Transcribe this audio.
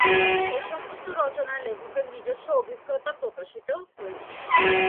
এই সমস্ত রচনায় লেখকের নিজস্ব অভিজ্ঞতা প্রকাশিত হয়েছিল।